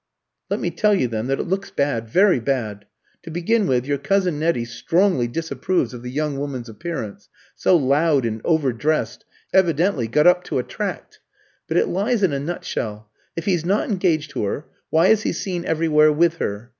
"Let me tell you, then, that it looks bad very bad. To begin with, your cousin Nettie strongly disapproves of the young woman's appearance, so loud and over dressed, evidently got up to attract. But it lies in a nutshell. If he's not engaged to her, why is he seen everywhere with her?